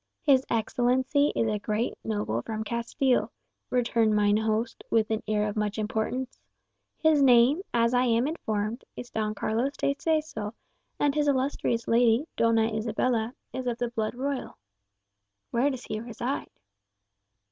"His Excellency is a great noble from Castile," returned mine host, with an air of much importance. "His name, as I am informed, is Don Carlos de Seso; and his illustrious lady, Doña Isabella, is of the blood royal." "Where does he reside?"